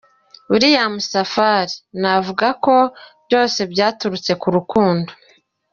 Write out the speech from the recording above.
William Safari: Navuga ko byose byaturutse ku rukundo.